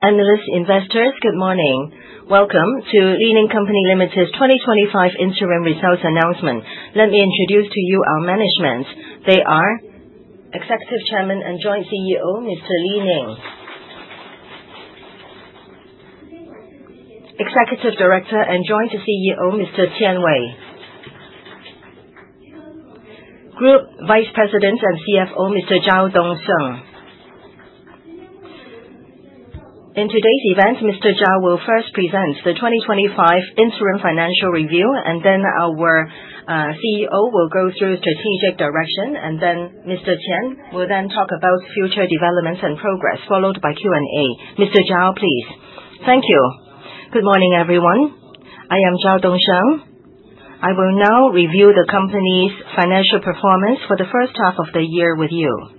Analysts and investors, good morning. Welcome to Li Ning Company Limited's 2025 interim results announcement. Let me introduce to you our management. They are Executive Chairman and Joint CEO, Mr. Li Ning, Executive Director and Joint CEO, Mr. Qian Wei, Group Vice President and CFO, Mr. Zhao Dong Sheng. In today's event, Mr. Zhao will first present the 2025 interim financial review, and then our CEO will go through strategic direction, and then Mr. Qian will then talk about future developments and progress, followed by Q&A. Mr. Zhao, please. Thank you. Good morning, everyone. I am Zhao Dong Sheng. I will now review the company's financial performance for the first half of the year with you.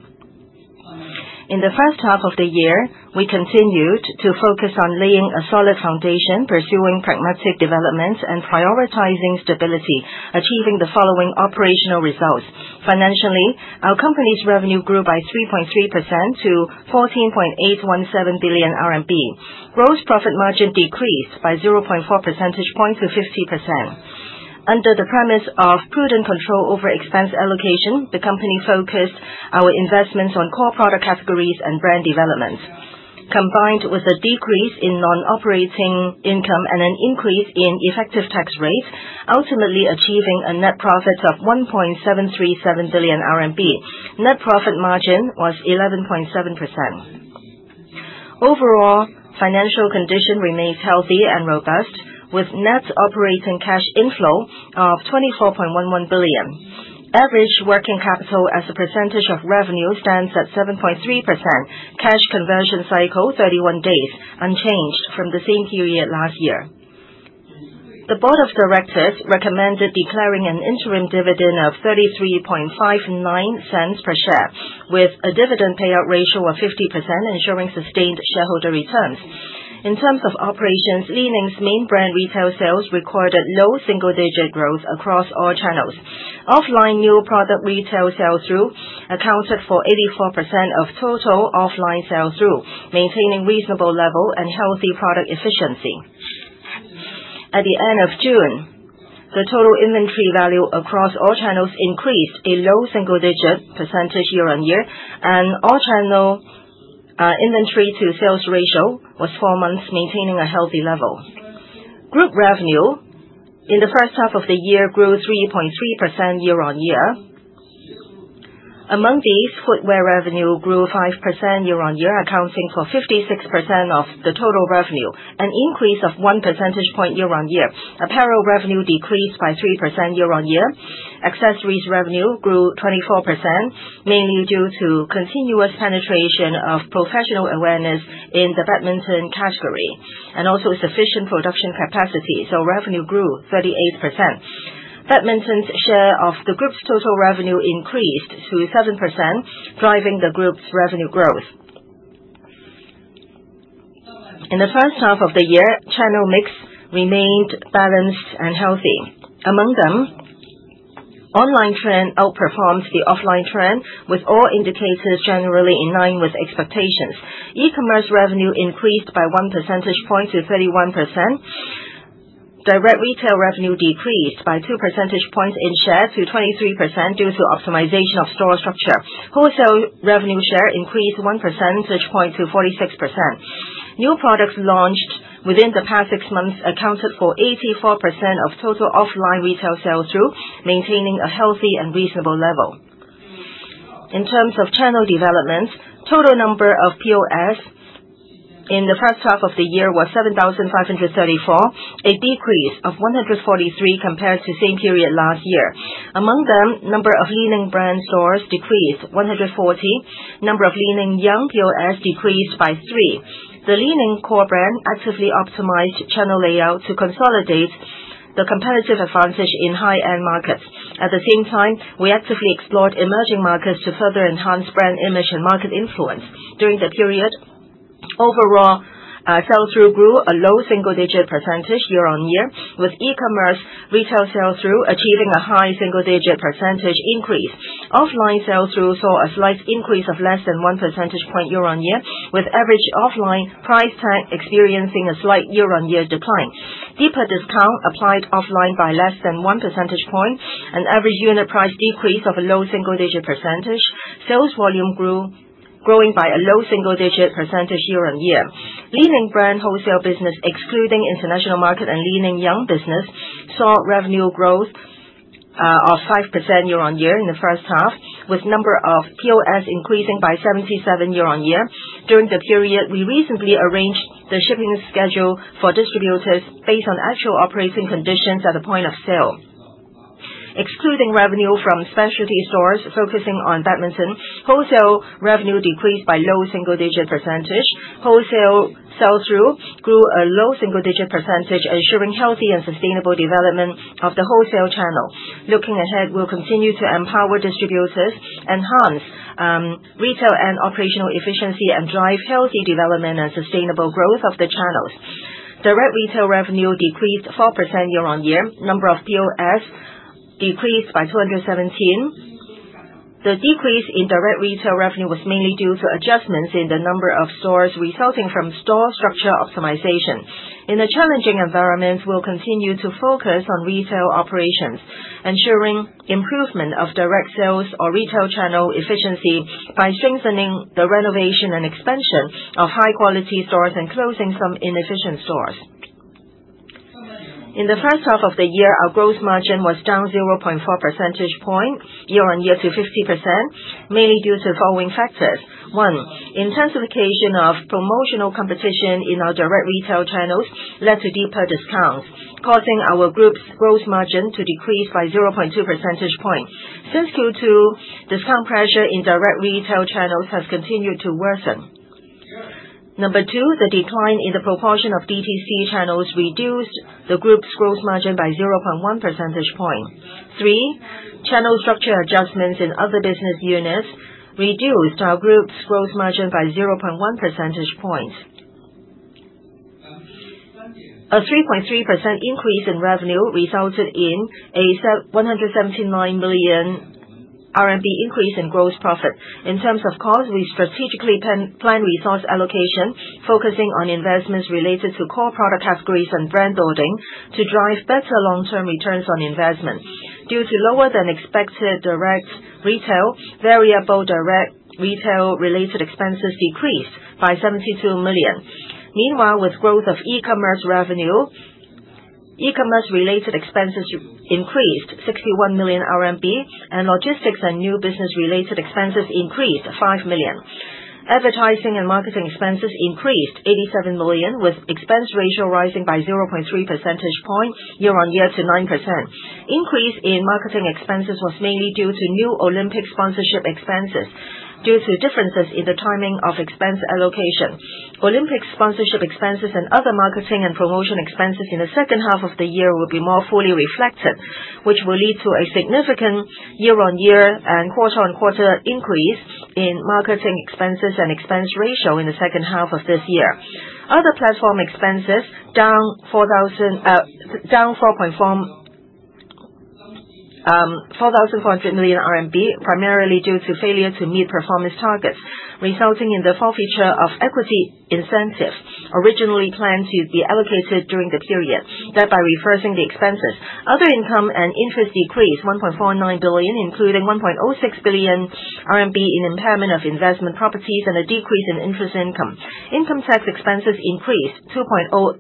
In the first half of the year, we continued to focus on laying a solid foundation, pursuing pragmatic developments, and prioritizing stability, achieving the following operational results. Financially, our company's revenue grew by 3.3% to 14.817 billion RMB. Gross profit margin decreased by 0.4 percentage points to 50%. Under the premise of prudent control over expense allocation, the company focused our investments on core product categories and brand developments, combined with a decrease in non-operating income and an increase in effective tax rates, ultimately achieving a net profit of 1.737 billion RMB. Net profit margin was 11.7%. Overall, financial condition remains healthy and robust, with net operating cash inflow of 24.11 billion. Average working capital as a percentage of revenue stands at 7.3%. Cash conversion cycle 31 days, unchanged from the same period last year. The board of directors recommended declaring an interim dividend of 0.3359 per share, with a dividend payout ratio of 50%, ensuring sustained shareholder returns. In terms of operations, Li Ning's main brand retail sales recorded low single-digit growth across all channels. Offline new product retail sales through accounted for 84% of total offline sales through, maintaining reasonable level and healthy product efficiency. At the end of June, the total inventory value across all channels increased a low single-digit percentage year-on-year, and all-channel inventory to sales ratio was four months, maintaining a healthy level. Group revenue in the first half of the year grew 3.3% year-on-year. Among these, footwear revenue grew 5% year-on-year, accounting for 56% of the total revenue, an increase of one percentage point year-on-year. Apparel revenue decreased by 3% year-on-year. Accessories revenue grew 24%, mainly due to continuous penetration of professional awareness in the badminton category and also sufficient production capacity, so revenue grew 38%. Badminton's share of the group's total revenue increased to 7%, driving the group's revenue growth.In the first half of the year, channel mix remained balanced and healthy. Among them, online trend outperformed the offline trend, with all indicators generally in line with expectations. E-commerce revenue increased by one percentage point to 31%. Direct retail revenue decreased by two percentage points in share to 23% due to optimization of store structure. Wholesale revenue share increased one percentage point to 46%. New products launched within the past six months accounted for 84% of total offline retail sell-through, maintaining a healthy and reasonable level. In terms of channel developments, total number of POS in the first half of the year was 7,534, a decrease of 143 compared to same period last year. Among them, number of Li-Ning brand stores decreased 140. Number of Li-Ning Young POS decreased by three. The Li-Ning core brand actively optimized channel layout to consolidate the competitive advantage in high-end markets. At the same time, we actively explored emerging markets to further enhance brand image and market influence. During the period, overall sales through grew a low single-digit % year-on-year, with e-commerce retail sales through achieving a high single-digit % increase. Offline sales through saw a slight increase of less than one percentage point year-on-year, with average offline price tag experiencing a slight year-on-year decline. Deeper discount applied offline by less than one percentage point, an average unit price decrease of a low single-digit %. Sales volume grew, growing by a low single-digit % year-on-year. Li-Ning brand wholesale business, excluding international market and Li-Ning Young business, saw revenue growth of 5% year-on-year in the first half, with number of POS increasing by 77 year-on-year. During the period, we recently arranged the shipping schedule for distributors based on actual operating conditions at the point of sale. Excluding revenue from specialty stores focusing on badminton, wholesale revenue decreased by low single-digit %. Wholesale sales through grew a low single-digit %, ensuring healthy and sustainable development of the wholesale channel. Looking ahead, we'll continue to empower distributors, enhance retail and operational efficiency, and drive healthy development and sustainable growth of the channels. Direct retail revenue decreased 4% year-on-year. Number of POS decreased by 217. The decrease in direct retail revenue was mainly due to adjustments in the number of stores resulting from store structure optimization. In a challenging environment, we'll continue to focus on retail operations, ensuring improvement of direct sales or retail channel efficiency by strengthening the renovation and expansion of high-quality stores and closing some inefficient stores. In the first half of the year, our gross margin was down 0.4 percentage point year-on-year to 50%, mainly due to following factors. One, intensification of promotional competition in our direct retail channels led to deeper discounts, causing our group's gross margin to decrease by 0.2 percentage point. Since Q2, discount pressure in direct retail channels has continued to worsen. Number two, the decline in the proportion of DTC channels reduced the group's gross margin by 0.1 percentage point. Three, channel structure adjustments in other business units reduced our group's gross margin by 0.1 percentage points. A 3.3% increase in revenue resulted in a 179 million RMB increase in gross profit. In terms of cost, we strategically planned resource allocation, focusing on investments related to core product categories and brand building to drive better long-term returns on investment. Due to lower than expected direct retail, variable direct retail-related expenses decreased by 72 million. Meanwhile, with growth of e-commerce revenue, e-commerce-related expenses increased 61 million RMB, and logistics and new business-related expenses increased 5 million. Advertising and marketing expenses increased 87 million, with expense ratio rising by 0.3 percentage point year-on-year to 9%. Increase in marketing expenses was mainly due to new Olympic sponsorship expenses due to differences in the timing of expense allocation. Olympic sponsorship expenses and other marketing and promotion expenses in the second half of the year will be more fully reflected, which will lead to a significant year-on-year and quarter-on-quarter increase in marketing expenses and expense ratio in the second half of this year. Other platform expenses down 4,400 million RMB, primarily due to failure to meet performance targets, resulting in the forfeiture of equity incentives originally planned to be allocated during the period, thereby reversing the expenses. Other income and interest decreased 1.49 billion, including 1.06 billion RMB in impairment of investment properties and a decrease in interest income. Income tax expenses increased 2.08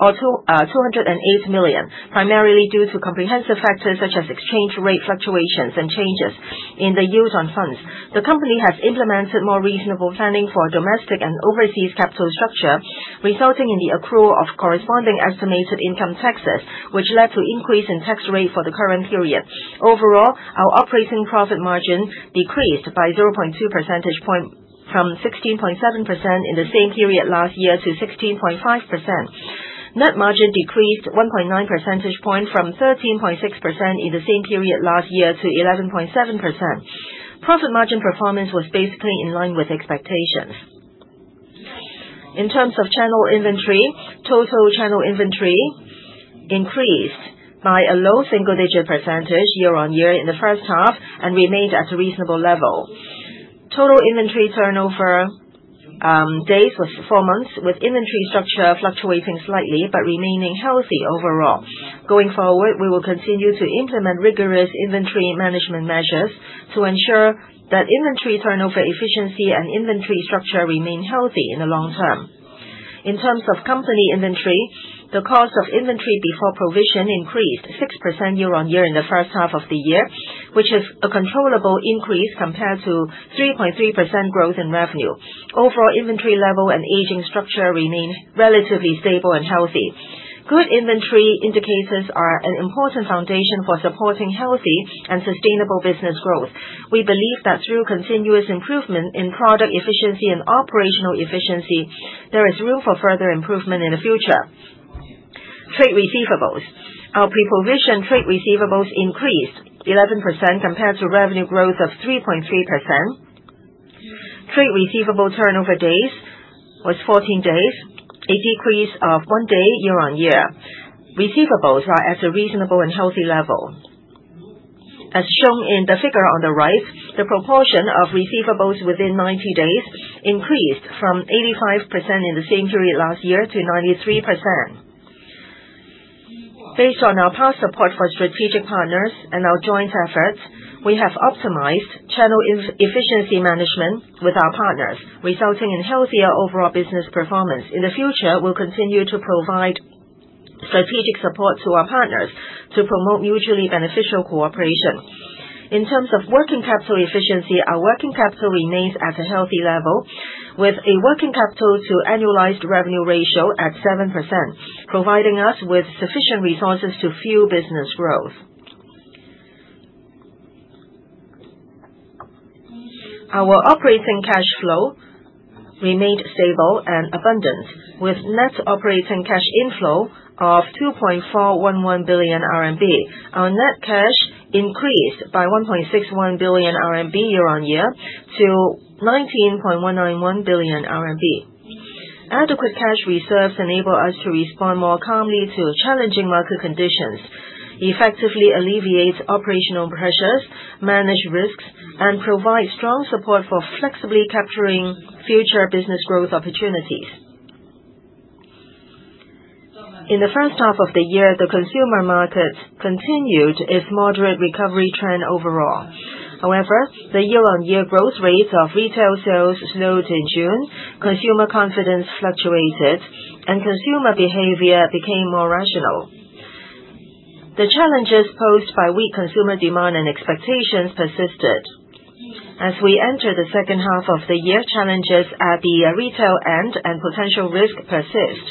or 208 million, primarily due to comprehensive factors such as exchange rate fluctuations and changes in the use of funds. The company has implemented more reasonable planning for domestic and overseas capital structure, resulting in the accrual of corresponding estimated income taxes, which led to increase in tax rate for the current period. Overall, our operating profit margin decreased by 0.2 percentage point from 16.7% in the same period last year to 16.5%. Net margin decreased 1.9 percentage point from 13.6% in the same period last year to 11.7%. Profit margin performance was basically in line with expectations. In terms of channel inventory, total channel inventory increased by a low single-digit percentage year-on-year in the first half and remained at a reasonable level. Total inventory turnover days was four months, with inventory structure fluctuating slightly but remaining healthy overall. Going forward, we will continue to implement rigorous inventory management measures to ensure that inventory turnover efficiency and inventory structure remain healthy in the long term. In terms of company inventory, the cost of inventory before provision increased 6% year-on-year in the first half of the year, which is a controllable increase compared to 3.3% growth in revenue. Overall, inventory level and aging structure remain relatively stable and healthy. Good inventory indicators are an important foundation for supporting healthy and sustainable business growth. We believe that through continuous improvement in product efficiency and operational efficiency, there is room for further improvement in the future. Trade receivables. Our pre-position trade receivables increased 11% compared to revenue growth of 3.3%. Trade receivable turnover days was 14 days, a decrease of one day year-on-year. Receivables are at a reasonable and healthy level. As shown in the figure on the right, the proportion of receivables within 90 days increased from 85% in the same period last year to 93%. Based on our past support for strategic partners and our joint efforts, we have optimized channel efficiency management with our partners, resulting in healthier overall business performance. In the future, we'll continue to provide strategic support to our partners to promote mutually beneficial cooperation. In terms of working capital efficiency, our working capital remains at a healthy level, with a working capital to annualized revenue ratio at 7%, providing us with sufficient resources to fuel business growth. Our operating cash flow remained stable and abundant, with net operating cash inflow of 2.411 billion RMB. Our net cash increased by 1.61 billion RMB year-on-year to 19.191 billion RMB. Adequate cash reserves enable us to respond more calmly to challenging market conditions, effectively alleviate operational pressures, manage risks, and provide strong support for flexibly capturing future business growth opportunities. In the first half of the year, the consumer market continued its moderate recovery trend overall. However, the year-on-year growth rate of retail sales slowed in June, consumer confidence fluctuated, and consumer behavior became more rational. The challenges posed by weak consumer demand and expectations persisted. As we enter the second half of the year, challenges at the retail end and potential risk persist.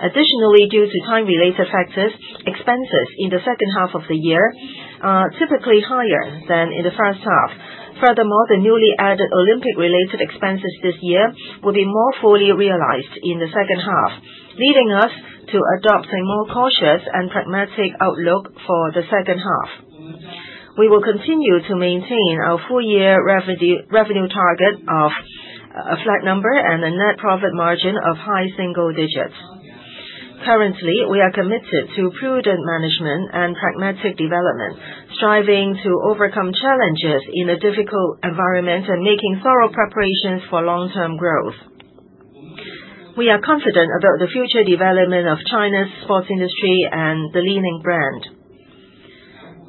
Additionally, due to time-related factors, expenses in the second half of the year are typically higher than in the first half. Furthermore, the newly added Olympic-related expenses this year will be more fully realized in the second half, leading us to adopt a more cautious and pragmatic outlook for the second half. We will continue to maintain our full-year revenue target of a flat number and a net profit margin of high single digits. Currently, we are committed to prudent management and pragmatic development, striving to overcome challenges in a difficult environment and making thorough preparations for long-term growth. We are confident about the future development of China's sports industry and the Li Ning brand.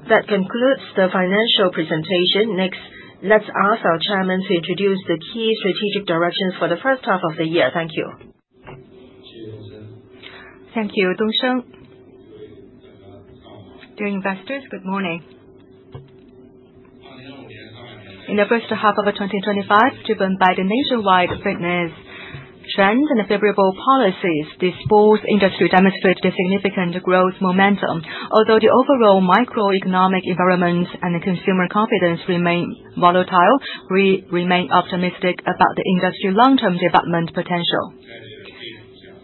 That concludes the financial presentation. Next, let's ask our Chairman to introduce the key strategic directions for the first half of the year. Thank you. Thank you, Dong Sheng. Dear investors, good morning. In the first half of 2025, driven by the nationwide fitness trends and favorable policies, the sports industry demonstrated a significant growth momentum. Although the overall microeconomic environment and consumer confidence remain volatile, we remain optimistic about the industry's long-term development potential.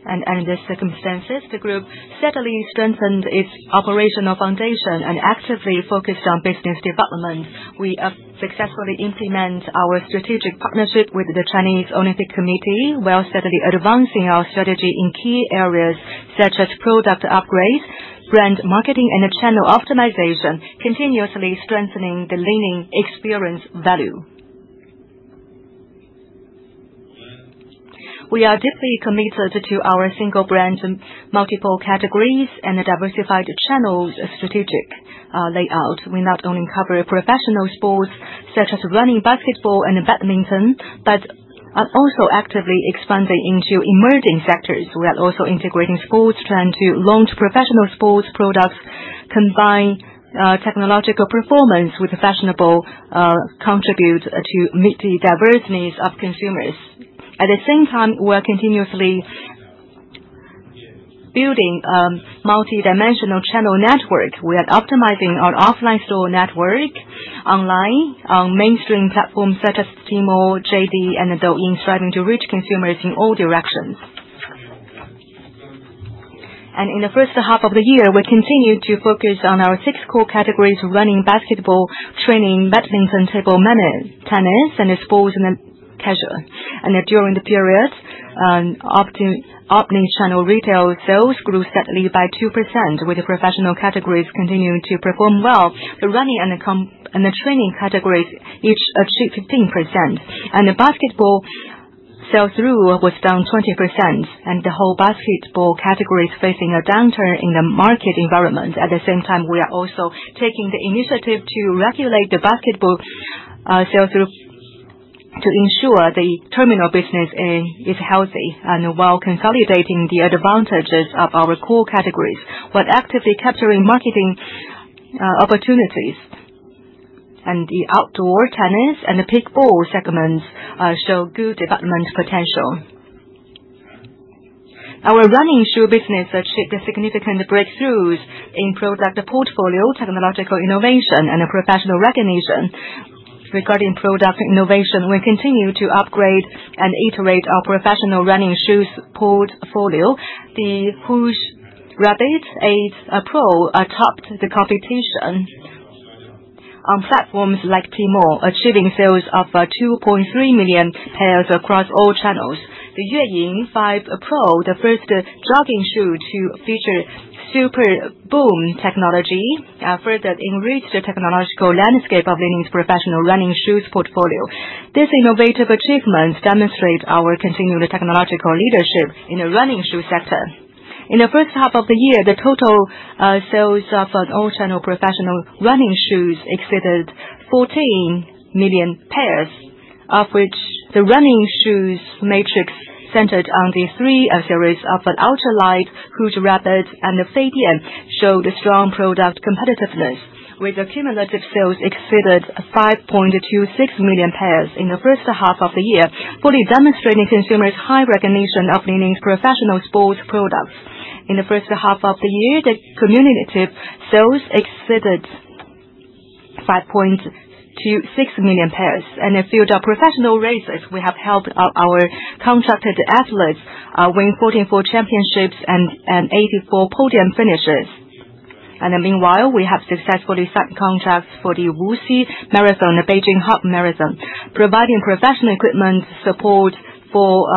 And under these circumstances, the group steadily strengthened its operational foundation and actively focused on business development. We have successfully implemented our strategic partnership with the Chinese Olympic Committee, while steadily advancing our strategy in key areas such as product upgrades, brand marketing, and channel optimization, continuously strengthening the Li Ning experience value. We are deeply committed to our single brand and multiple categories and a diversified channel strategic layout. We not only cover professional sports such as running, basketball, and badminton, but are also actively expanding into emerging sectors. We are also integrating sports trends to launch professional sports products, combine technological performance with fashionable contribute to meet the diverse needs of consumers. At the same time, we are continuously building a multi-dimensional channel network. We are optimizing our offline store network online on mainstream platforms such as Tmall, JD, and Douyin, striving to reach consumers in all directions. In the first half of the year, we continue to focus on our six core categories: running, basketball, training, badminton, table, menu, tennis, and sports and leisure. During the period, opening channel retail sales grew steadily by 2%, with the professional categories continuing to perform well. The running and the training categories each achieved 15%. The basketball sales through was down 20%. The whole basketball category is facing a downturn in the market environment. At the same time, we are also taking the initiative to regulate the basketball sales through to ensure the terminal business is healthy and while consolidating the advantages of our core categories while actively capturing marketing opportunities. The outdoor tennis and the pickleball segments show good development potential. Our running shoe business achieved significant breakthroughs in product portfolio, technological innovation, and professional recognition. Regarding product innovation, we continue to upgrade and iterate our professional running shoe portfolio. The Red Hare 8 Pro topped the competition on platforms like Tmall, achieving sales of 2.3 million pairs across all channels. The Yueying 5 Pro, the first jogging shoe to feature Li-Ning Boom technology, further enriched the technological landscape of Li-Ning's professional running shoes portfolio. This innovative achievement demonstrates our continued technological leadership in the running shoe sector. In the first half of the year, the total sales of all channel professional running shoes exceeded 14 million pairs, of which the running shoes matrix centered on the three series of Ultralight, Red Hare, and Feidian showed strong product competitiveness, with accumulative sales exceeded 5.26 million pairs in the first half of the year, fully demonstrating consumers' high recognition of Li Ning's professional sports products. In the first half of the year, the cumulative sales exceeded 5.26 million pairs. In the field of professional races, we have helped our contracted athletes win 44 championships and 84 podium finishes. Meanwhile, we have successfully signed contracts for the Wuxi Marathon and Beijing Half Marathon, providing professional equipment support for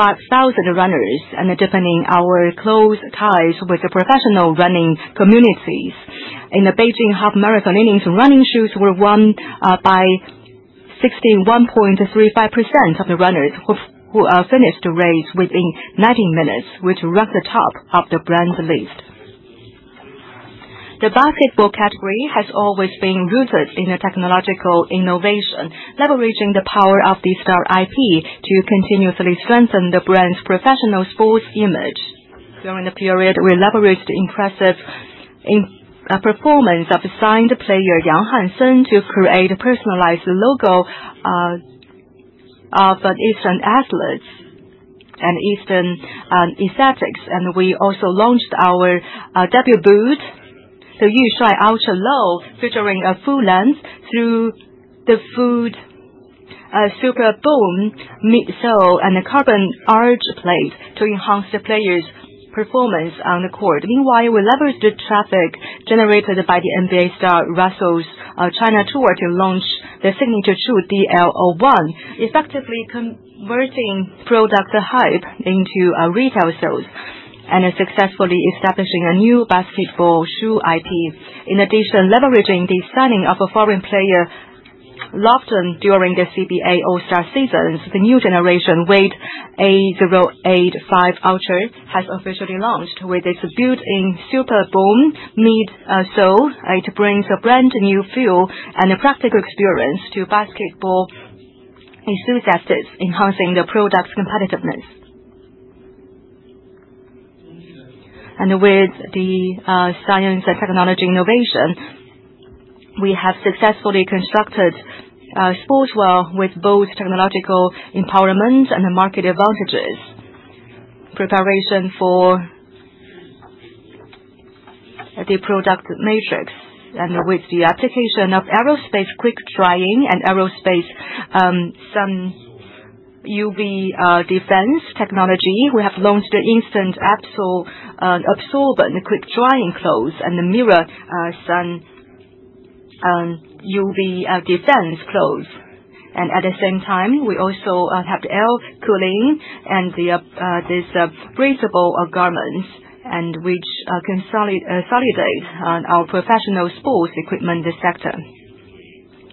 55,000 runners and deepening our close ties with the professional running communities. In the Beijing Half Marathon, Li Ning's running shoes were won by 61.35% of the runners who finished the race within 90 minutes, which ranked the top of the brand's list. The basketball category has always been rooted in technological innovation, leveraging the power of the Star IP to continuously strengthen the brand's professional sports image. During the period, we leveraged the impressive performance of signed player Yang Hansen to create a personalized logo of Eastern athletes and Eastern aesthetics. And we also launched our debut boot, the Yu Shuai Ultra Low, featuring a full-length forefoot SuperBoom midsole and a carbon arch plate to enhance the players' performance on the court. Meanwhile, we leveraged the traffic generated by the NBA star Russell's China tour to launch the signature shoe DLO 1, effectively converting product hype into retail sales and successfully establishing a new basketball shoe IP. In addition, leveraging the signing of a foreign player often during the CBA All-Star seasons, the new generation Wade 808 5 Ultra has officially launched with its built-in SuperBoom midsole. It brings a brand new feel and a practical experience to basketball enthusiasts, enhancing the product's competitiveness. And with the science and technology innovation, we have successfully constructed sportswear with both technological empowerment and market advantages. Preparation for the product matrix and with the application of aerospace quick drying and aerospace sun UV defense technology, we have launched the instant absorbent quick drying clothes and the mirror sun UV defense clothes. And at the same time, we also have air cooling and these breathable garments, which consolidate our professional sports equipment sector.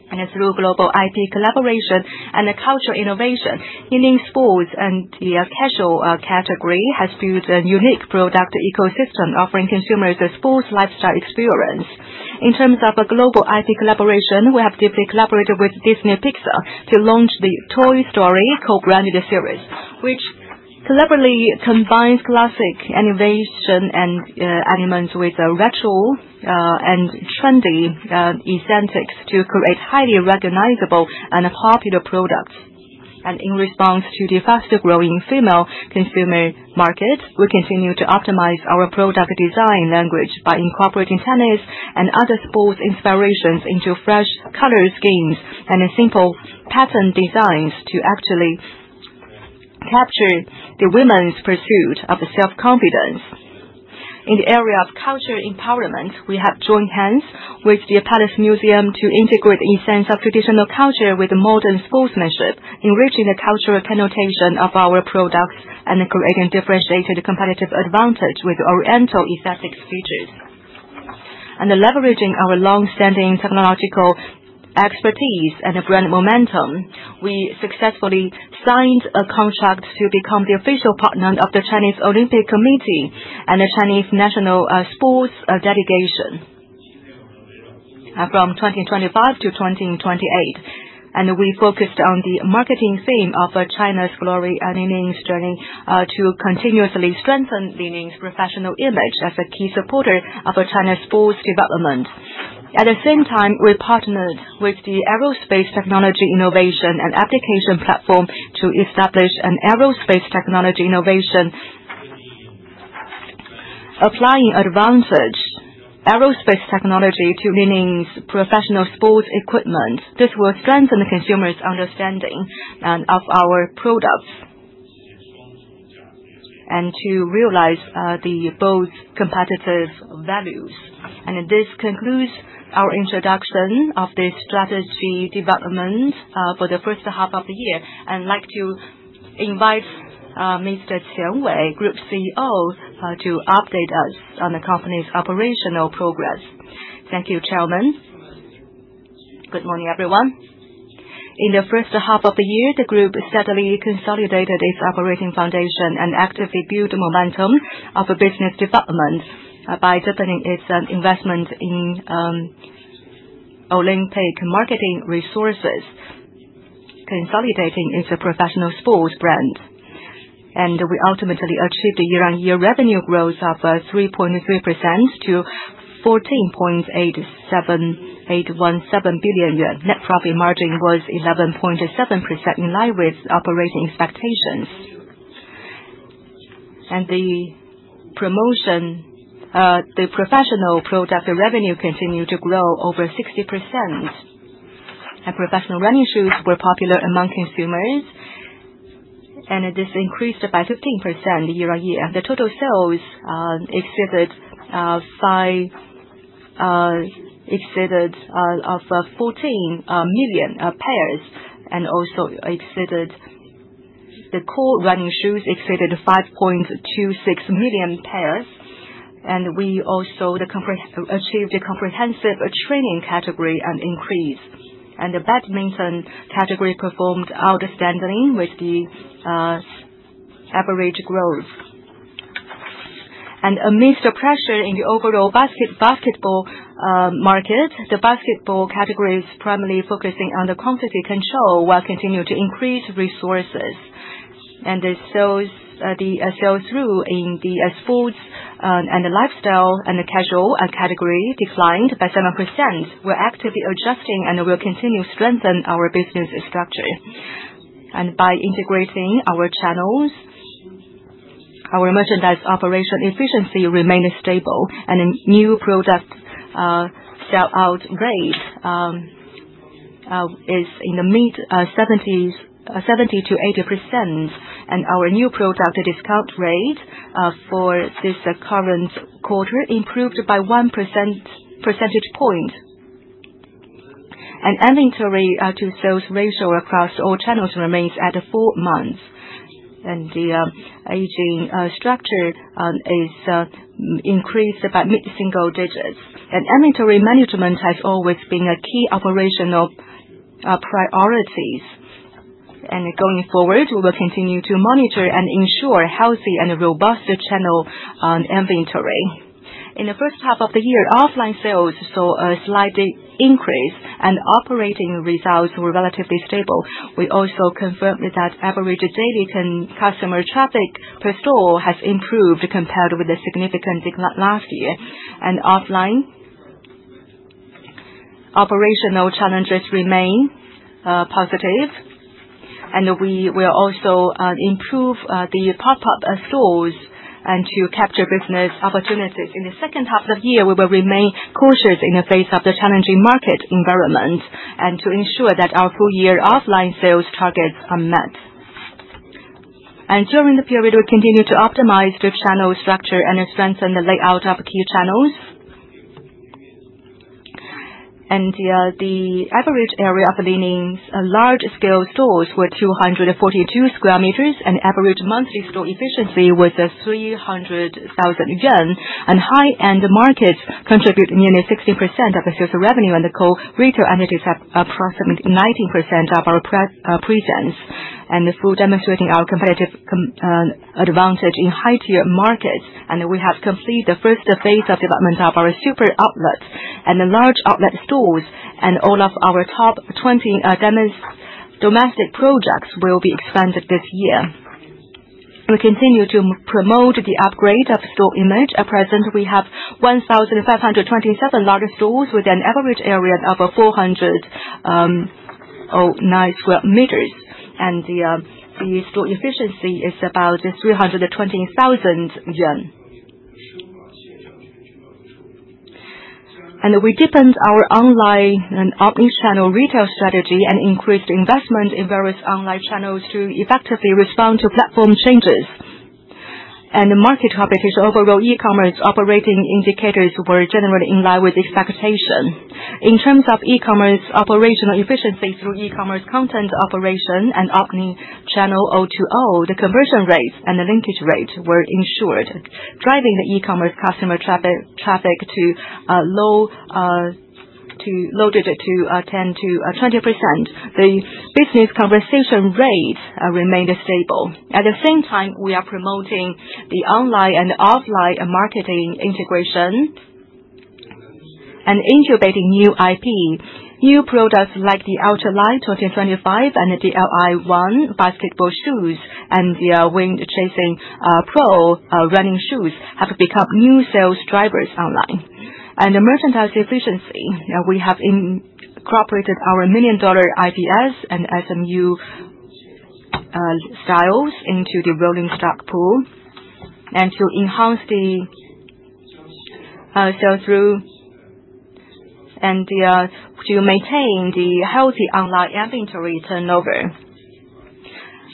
And through global IP collaboration and cultural innovation, Li-Ning Sports and the casual category has built a unique product ecosystem, offering consumers a sports lifestyle experience. In terms of global IP collaboration, we have deeply collaborated with Disney Pixar to launch the Toy Story co-branded series, which collaboratively combines classic animation and elements with ritual and trendy aesthetics to create highly recognizable and popular products, and in response to the fast-growing female consumer market, we continue to optimize our product design language by incorporating tennis and other sports inspirations into fresh color schemes and simple pattern designs to actually capture the women's pursuit of self-confidence. In the area of culture empowerment, we have joined hands with the Palace Museum to integrate the essence of traditional culture with modern sportsmanship, enriching the cultural connotation of our products and creating differentiated competitive advantage with oriental aesthetic features. Leveraging our long-standing technological expertise and brand momentum, we successfully signed a contract to become the official partner of the Chinese Olympic Committee and the Chinese National Sports Delegation from 2025 to 2028. We focused on the marketing theme of China's glory and Li Ning's journey to continuously strengthen Li Ning's professional image as a key supporter of China's sports development. At the same time, we partnered with the aerospace technology innovation and application platform to establish an aerospace technology innovation, applying advantage aerospace technology to Li Ning's professional sports equipment. This will strengthen the consumers' understanding of our products and to realize the both competitive values. This concludes our introduction of the strategy development for the first half of the year. I'd like to invite Mr. Qian Wei, Group CEO, to update us on the company's operational progress. Thank you, Chairman. Good morning, everyone. In the first half of the year, the group steadily consolidated its operating foundation and actively built momentum of business development by deepening its investment in Olympic marketing resources, consolidating its professional sports brand, and we ultimately achieved year-on-year revenue growth of 3.3% to 14.817 billion yuan. Net profit margin was 11.7%, in line with operating expectations, and the professional product revenue continued to grow over 60%. And professional running shoes were popular among consumers, and this increased by 15% year-on-year. The total sales exceeded 14 million pairs, and the core running shoes also exceeded 5.26 million pairs, and we also achieved a comprehensive training category increase, and the badminton category performed outstanding with the average growth, and amidst the pressure in the overall basketball market, the basketball category is primarily focusing on the quantity control while continuing to increase resources. And the sell-through in the sports and lifestyle and casual category declined by 7%. We're actively adjusting and we'll continue to strengthen our business structure. And by integrating our channels, our merchandise operation efficiency remained stable. And a new product sell-out rate is in the mid-70 to 80%. And our new product discount rate for this current quarter improved by 1 percentage point. And inventory to sales ratio across all channels remains at four months. And the aging structure is increased by mid-single digits. And inventory management has always been a key operational priority. And going forward, we will continue to monitor and ensure healthy and robust channel inventory. In the first half of the year, offline sales saw a slight increase and operating results were relatively stable. We also confirmed that average daily customer traffic per store has improved compared with a significant decline last year. Offline operational challenges remain positive. We will also improve the pop-up stores and to capture business opportunities. In the second half of the year, we will remain cautious in the face of the challenging market environment and to ensure that our full-year offline sales targets are met. During the period, we continue to optimize the channel structure and strengthen the layout of key channels. The average area of Li Ning's large-scale stores was 242 square meters, and average monthly store efficiency was 300,000 yuan. High-end markets contribute nearly 60% of the sales revenue, and the core retail entities have approximately 19% of our presence. Fully demonstrating our competitive advantage in high-tier markets. We have completed the first phase of development of our super outlet and the large outlet stores. All of our top 20 domestic projects will be expanded this year. We continue to promote the upgrade of store image. At present, we have 1,527 large stores with an average area of 409 square meters, and the store efficiency is about 320,000 yuan, and we deepened our online and omnichannel retail strategy and increased investment in various online channels to effectively respond to platform changes and market competition. Overall e-commerce operating indicators were generally in line with expectation. In terms of e-commerce operational efficiency through e-commerce content operation and omnichannel O2O, the conversion rates and the linkage rate were ensured, driving the e-commerce customer traffic to low single-digit to 10%-20%. The conversion rate remained stable. At the same time, we are promoting the online and offline marketing integration and incubating new IP. New products like the Ultralight 2025 and DL1 basketball shoes and the Wind Ranger Pro running shoes have become new sales drivers online. Merchandise efficiency. We have incorporated our million-dollar IPS and SMU styles into the rolling stock pool and to enhance the sell-through and to maintain the healthy online inventory turnover.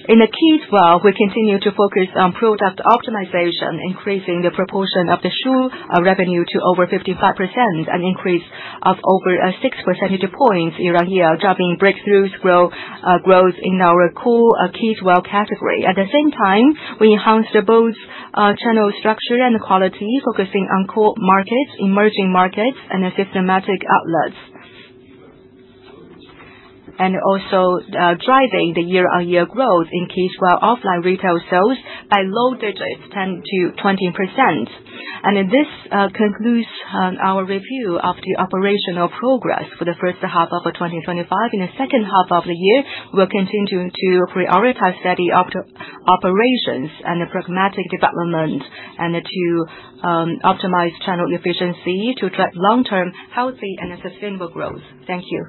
In apparel as well, we continue to focus on product optimization, increasing the proportion of the shoe revenue to over 55% and an increase of over 6 percentage points year-on-year, driving breakthrough growth in our core apparel category. At the same time, we enhanced both channel structure and quality, focusing on core markets, emerging markets, and systematic outlets, also driving the year-on-year growth in apparel offline retail sales by low double digits, 10%-20%. This concludes our review of the operational progress for the first half of 2025. In the second half of the year, we will continue to prioritize steady operations and pragmatic development and to optimize channel efficiency to drive long-term healthy and sustainable growth. Thank you.